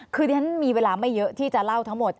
คือดิฉันมีเวลาไม่เยอะที่จะเล่าทั้งหมด